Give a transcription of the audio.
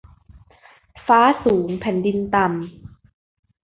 ฟ้าสูงแผ่นดินต่ำ